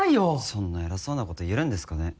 そんな偉そうなこと言えるんですかね。